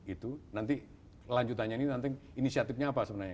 itu nanti lanjutannya ini nanti inisiatifnya apa sebenarnya